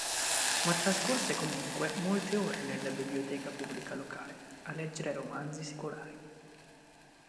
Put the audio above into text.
Ma trascorse comunque molte ore nella biblioteca pubblica locale a leggere romanzi secolari.